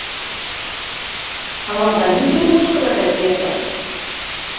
Һамарҙан ниндәй һуғыш хәбәрҙәре тейәп ҡайттың?